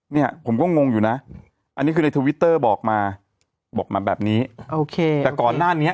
เนี่ยผมก็งงอยู่นะอันนี้คือในทวิตเตอร์บอกมาบอกมาแบบนี้โอเคแต่ก่อนหน้านี้